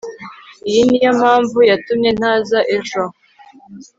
iyi niyo mpamvu yatumye ntaza ejo